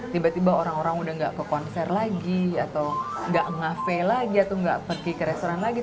tiba tiba orang orang sudah tidak ke konser lagi atau tidak nge cafe lagi atau tidak pergi ke restoran lagi